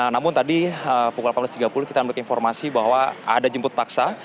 namun tadi pukul delapan belas tiga puluh kita ambil informasi bahwa ada jemput paksa